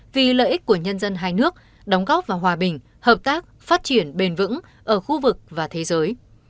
vì lợi ích của nhân dân hai nước đóng góp vào hòa bình hợp tác phát triển bền vững ở khu vực và thế giới